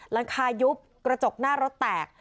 หลังคายุบกระจกหน้ารถแตก